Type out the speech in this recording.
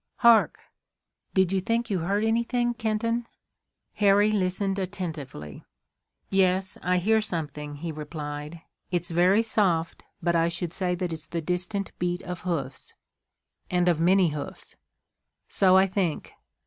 Hark! did you think you heard anything, Kenton?" Harry listened attentively. "Yes, I hear something," he replied. "It's very soft, but I should say that it's the distant beat of hoofs." "And of many hoofs." "So I think."